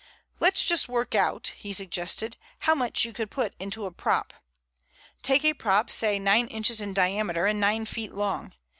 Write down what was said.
"Let's just work out," he suggested, "how much you could put into a prop. Take a prop say nine inches in diameter and nine feet long.